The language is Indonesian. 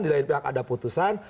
di lain pihak ada putusan